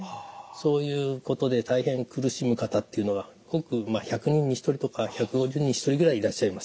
そういうことで大変苦しむ方っていうのが１００人に１人とか１５０人に１人ぐらいいらっしゃいますね。